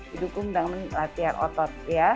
didukung dengan latihan otot